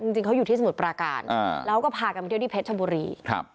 จริงเขาอยู่ที่สมุทรปราการแล้วก็พากันไปเที่ยวที่เพชรชบุรีครับ